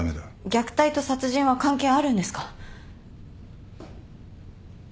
虐待と殺人は関係あるんですか？